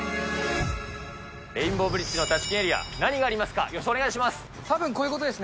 レインボーブリッジのタチキンエリア、何がありますか、予想、お願いします。